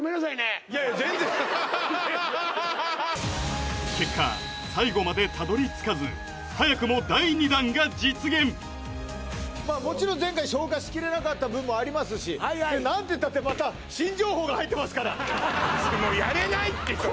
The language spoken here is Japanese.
いやいや全然結果最後までたどり着かずもちろん前回消化しきれなかった分もありますし何てったってまた新情報が入ってますからもうやれないってそれ